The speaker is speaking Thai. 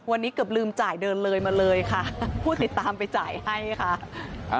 วันนี้เกือบลืมจ่ายเดินเลยมาเลยค่ะผู้ติดตามไปจ่ายให้ค่ะ